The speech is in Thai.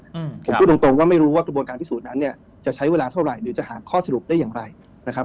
อืมผมพูดตรงตรงว่าไม่รู้ว่ากระบวนการพิสูจนนั้นเนี้ยจะใช้เวลาเท่าไหร่หรือจะหาข้อสรุปได้อย่างไรนะครับ